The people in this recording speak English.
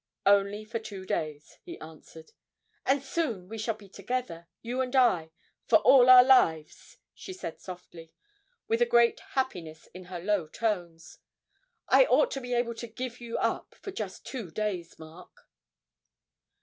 'Only for two days,' he answered. 'And soon we shall be together you and I for all our lives,' she said softly, with a great happiness in her low tones. 'I ought to be able to give you up for just two days, Mark!'